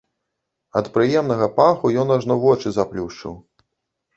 Ад прыемнага паху ён ажно вочы заплюшчыў.